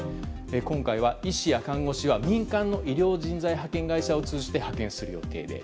今回は医師や看護師は民間の医療人材派遣会社を通じて派遣する予定です。